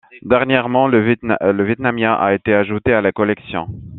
Dernièrement, le vietnamien a été ajouté à la collection.